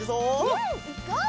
うんいこう！